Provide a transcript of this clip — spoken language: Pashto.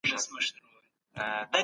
د امېدوارۍ پر مهال معاينه مهمه ده